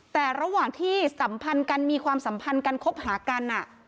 แต่ระหว่างที่สัมพันธ์กันมีความสัมพันธ์กันคบหากัน